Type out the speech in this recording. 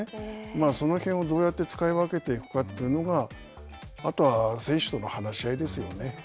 その辺をどうやって使い分けていくかというのがあとは選手との話し合いですよね。